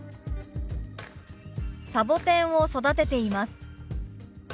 「サボテンを育てています」。